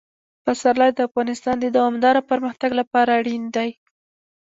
پسرلی د افغانستان د دوامداره پرمختګ لپاره اړین دي.